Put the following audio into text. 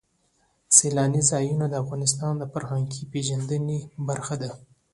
سیلانی ځایونه د افغانانو د فرهنګي پیژندنې برخه ده.